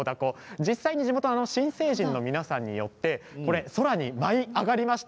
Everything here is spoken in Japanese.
実際に地元の新成人の皆さんによって空に舞い上がりました。